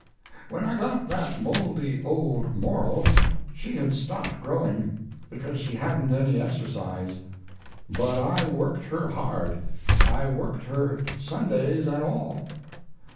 When I got that mouldy old moral, she had stopped growing, because she hadn't any exercise; but I worked her hard, I worked her Sundays and all.